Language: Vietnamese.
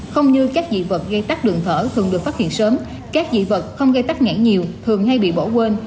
không như các dị vật gây tắt đường thở thường được phát hiện sớm các dị vật không gây tắc nghẽn nhiều thường hay bị bỏ quên